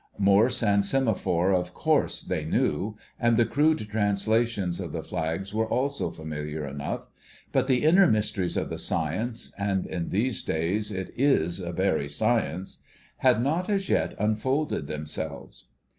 Morse and semaphore of course they knew, and the crude translations of the flags were also familiar enough. But the inner mysteries of the science (and in these days it is a very science) had not as yet unfolded themselves.